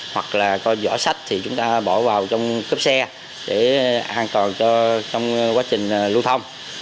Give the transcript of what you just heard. hoặc là có giỏ sách thì chúng ta bỏ vào trong cốp xe để an toàn cho trong quá trình lưu thông